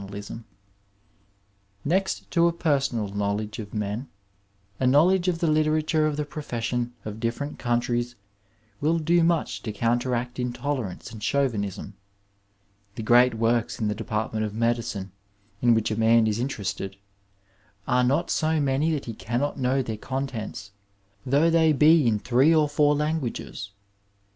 287 Digitized byVjOOQlC CHAUVINISM IN MEDICINE Next to a peisonal knowledge of men, a knowledge of the literatoie of the profesaion of different countrieB will do much to counteract intolerance and Chauvinism. The great works in the department of medicine in which a man is interested, are not so many that he cannot know their contents, though they be in three or four languages.